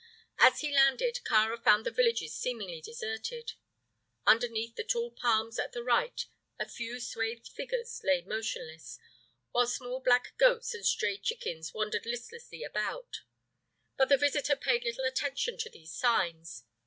As he landed, Kāra found the villages seemingly deserted. Underneath the tall palms at the right a few swathed figures lay motionless, while small black goats and stray chickens wandered listlessly about; but the visitor paid little attention to these signs.